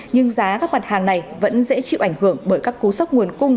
nhưng giá các mặt hàng này vẫn dễ chịu ảnh hưởng bởi các cú sốc nguồn cung